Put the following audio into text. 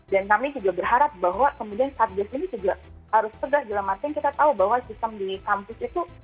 dan kami juga berharap bahwa kemudian saat ini juga harus tegak dalam artian kita tahu bahwa sistem di kampus itu